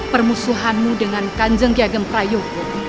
permusuhanmu dengan kanjeng kiagam prayogu